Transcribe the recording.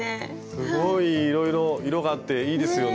すごいいろいろ色があっていいですよね。